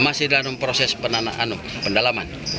masih dalam proses pendalaman